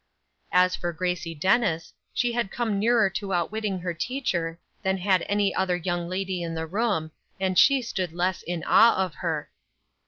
As for Grace Dennis, she had come nearer to outwitting her teacher than had any other young lady in the room, and she stood less in awe of her.